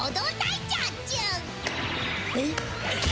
えっ？